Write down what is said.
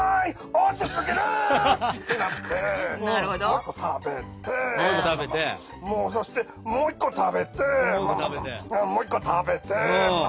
おいしすぎる！」ってなってもう一個食べてもうそしてもう一個食べてもう一個食べて。